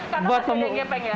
karena sudah ada yang gepeng ya